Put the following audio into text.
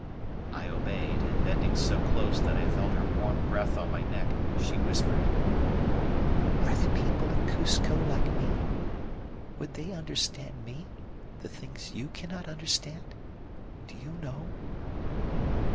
I obeyed, and bending so close that I felt her warm breath on my neck, she whispered: "Are the people in Cuzco like me? Would they understand me the things you cannot understand? Do you know?"